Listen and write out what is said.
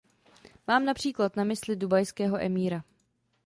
Mám například na mysli dubajského emíra.